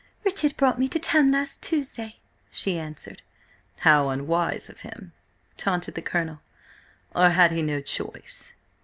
"Richard brought me to town last Tuesday," she answered. "How unwise of him!" taunted the Colonel. "Or had he no choice?"